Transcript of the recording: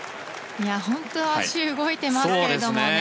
本当、足が動いてますけれどもね。